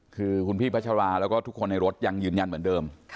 คือคุณพี่พัชราแล้วก็ทุกคนในรถยังยืนยันเหมือนเดิม